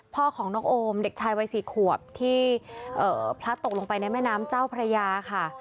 พ่อของน้องโอมเด็กชายวัย๔ขวบที่พลัดตกลงไปในแม่น้ำเจ้าพระยาค่ะ